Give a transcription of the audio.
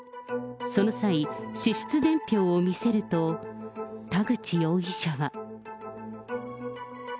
その際、支出伝票を見せると、田口容疑者は。